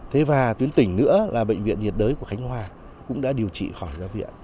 thế và tuyến tỉnh nữa là bệnh viện nhiệt đới của khánh hòa cũng đã điều trị khỏi gia viện